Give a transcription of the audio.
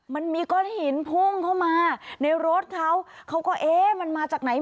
มันมีก้อนหินพุ่งเข้ามาในรถเขาเขาก็เอ๊ะมันมาจากไหน